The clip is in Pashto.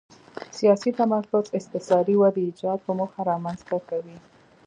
سیاسي تمرکز استثاري ودې ایجاد په موخه رامنځته کوي.